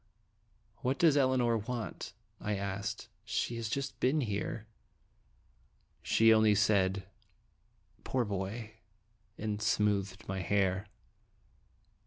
" What does Elinor want?" I asked. "She has just been here." She only said, "Poor boy!" and smoothed my hair.